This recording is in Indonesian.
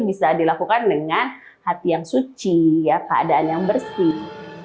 bisa dilakukan dengan hati yang suci keadaan yang bersih